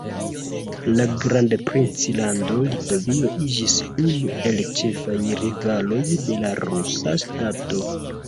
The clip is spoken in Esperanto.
La Grandprinclando Litovio iĝis unu el ĉefaj rivaloj de la rusa ŝtato.